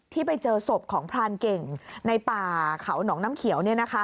ไปเจอศพของพรานเก่งในป่าเขาหนองน้ำเขียว